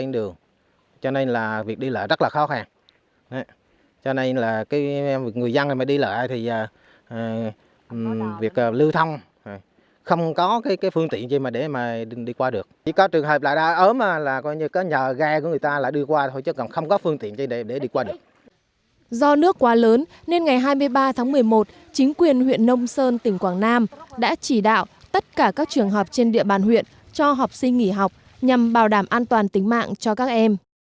do nước quá lớn nên ngày hai mươi ba tháng một mươi một chính quyền huyện nông sơn tỉnh quảng nam đã chỉ đạo tất cả các trường hợp trên địa bàn huyện cho học sinh nghỉ học nhằm bảo đảm an toàn tính mạng cho các em